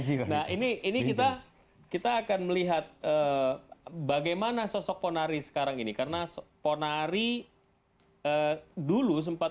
nah ini ini kita kita akan melihat bagaimana sosok ponari sekarang ini karena ponari dulu sempat